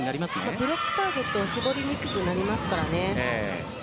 ブロックターゲットを絞りにくくなりますからね。